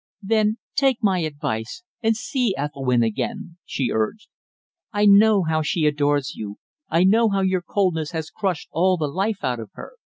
"Then take my advice and see Ethelwynn again," she urged. "I know how she adores you; I know how your coldness has crushed all the life out of her.